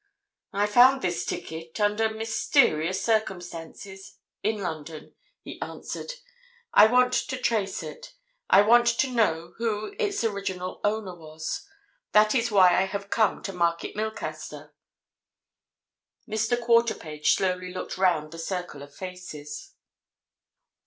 "I found this ticket—under mysterious circumstances—in London," he answered. "I want to trace it. I want to know who its original owner was. That is why I have come to Market Milcaster." Mr. Quarterpage slowly looked round the circle of faces.